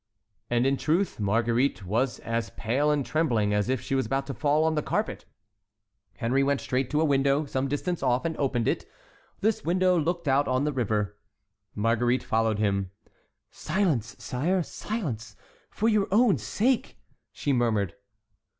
And, in truth, Marguerite was as pale and trembling as if she was about to fall on the carpet. Henry went straight to a window some distance off, and opened it. This window looked out on the river. Marguerite followed him. "Silence, sire,—silence, for your own sake!" she murmured.